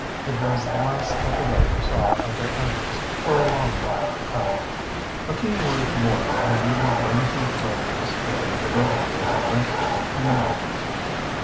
It was the last that the Rovers saw of their enemies for a long while to come. A few words more and we will bring to a close this story of the Rover boys' adventures in the mountains.